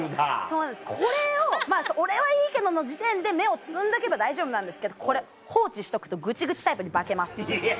これを「俺はいいけど」の時点で芽を摘んどけば大丈夫なんですけどこれ放置しとくとグチグチタイプに化けます。